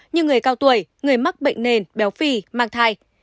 như người cao tuổi người mắc bệnh nền béo phì mang thai